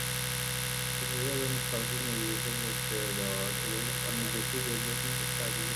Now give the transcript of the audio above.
উচ্চশিক্ষার জন্যে স্কলারশিপ নিয়ে বিদেশে পড়তে যাওয়ার সুযোগ অনেক বেশি ডেভলপমেন্ট স্টাডিজে।